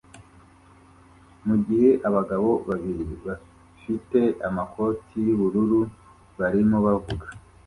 mugihe abagabo babiri bafite amakoti yubururu barimo bavuga